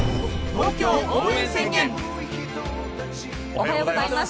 おはようございます。